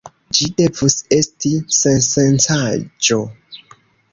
Ĝi devus esti sensencaĵo.